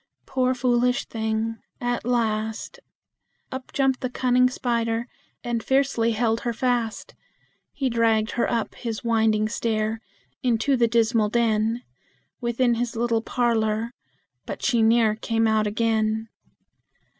Poor, foolish thing! at last Up jumped the cunning spider, and fiercely held her fast; He dragged her up his winding stair, into the dismal den Within his little parlor but she ne'er came out again!